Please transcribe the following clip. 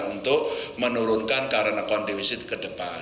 untuk menurunkan karan akun defisi ke depan